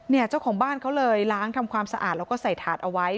เจ้าของบ้านเขาเลยล้างทำความสะอาดแล้วก็ใส่ถาดเอาไว้